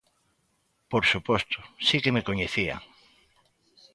Por suposto, si que me coñecían.